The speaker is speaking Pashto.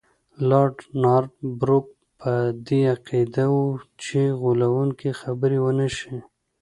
لارډ نارت بروک په دې عقیده وو چې غولونکي خبرې ونه شي.